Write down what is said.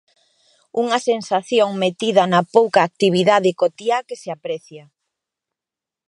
Unha sensación metida na pouca actividade cotiá que se aprecia.